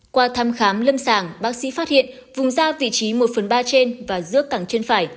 qua thăm khám lâm sảng bác sĩ phát hiện vùng da vị trí một phần ba trên và giữa cẳng chân phải